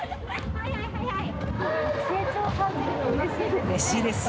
早い早い。